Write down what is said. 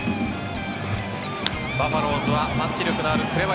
バファローズはパンチ力のある紅林